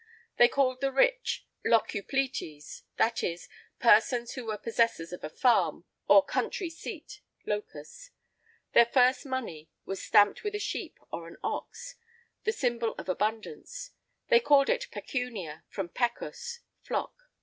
They called the rich, locupletes, that is, persons who were possessors of a farm or country seat (locus); their first money was stamped with a sheep or an ox, the symbol of abundance: they called it pecunia, from pecus (flock).